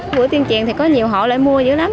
bữa tiên triền thì có nhiều hộ lại mua dữ lắm